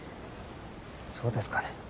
そうですかね。